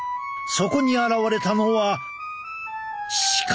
そこに現れたのは鹿だ！